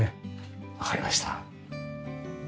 わかりました。